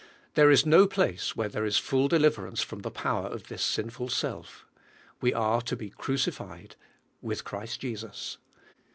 There is no place where there is full de liverance from the power of this sinful self. We are to be crucified with Christ Jesus.